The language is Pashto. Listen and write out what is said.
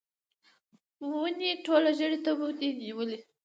ونې ټوله ژړۍ تبو دي نیولې